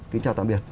kính chào tạm biệt